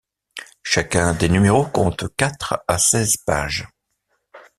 Chacun des numéros compte quatre à seize pages.